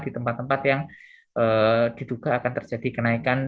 di tempat tempat yang diduga akan terjadi kenaikan